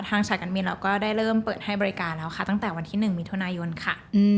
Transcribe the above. สายการบินเราก็ได้เริ่มเปิดให้บริการแล้วค่ะตั้งแต่วันที่๑มิถุนายนค่ะ